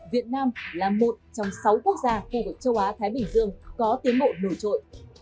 việt nam là một trong sáu quốc gia khu vực châu á thái bình dương có tiến bộ nổi trội